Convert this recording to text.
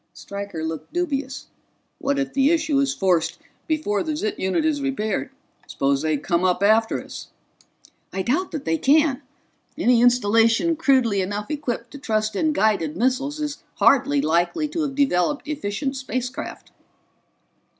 Stryker looked dubious. "What if the issue is forced before the ZIT unit is repaired? Suppose they come up after us?" "I doubt that they can. Any installation crudely enough equipped to trust in guided missiles is hardly likely to have developed efficient space craft."